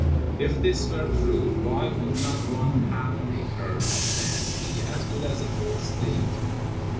If this were true, why would not one half an acre of land be as good as a whole State?